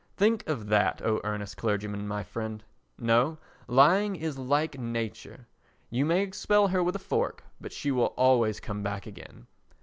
Think of that, O Earnest Clergyman, my friend! No. Lying is like Nature, you may expel her with a fork, but she will always come back again.